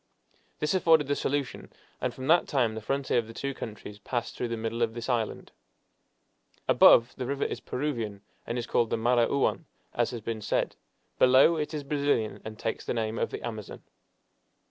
This afforded the solution, and from that time the frontier of the two countries passed through the middle of this island. Above, the river is Peruvian, and is called the Marañon, as has been said. Below, it is Brazilian, and takes the name of the Amazon.